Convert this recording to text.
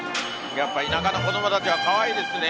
やっぱ田舎の子供たちはかわいいですね。